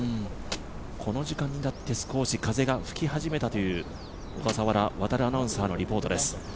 この時間になって少し風が吹き始めたという小笠原亘アナウンサーのリポートです。